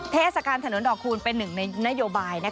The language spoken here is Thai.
เทศกาลถนนดอกคูณเป็นหนึ่งในนโยบาย